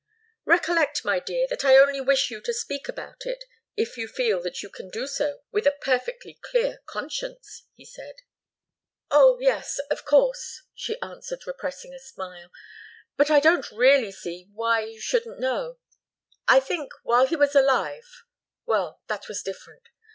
"Recollect, my dear, that I only wish you to speak about it, if you feel that you can do so with a perfectly clear conscience," he said. "Oh, yes; of course!" she answered, repressing a smile. "But I don't really see why you shouldn't know. I think, while he was alive well, that was different.